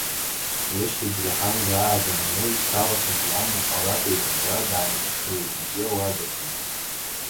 Лышьҭыбжь лаҳан, заа дааны ишьҭалахьаз лан, лхалаҭ еибаркуа, дааҩнашылеит егьи ауадаҿынтә.